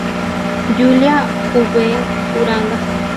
Julia V. Uranga.